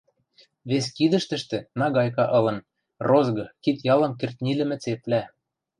Вес кидӹштӹштӹ нагайка ылын, розгы, кид-ялым кӹртнилӹмӹ цепвлӓ.